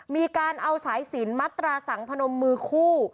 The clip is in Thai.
มีการเอาสายสินมัตราสังพนมมือคู่